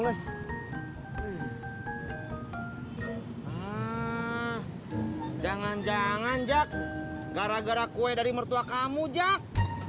ah jangan jangan jak gara gara kue dari mertua kamu jak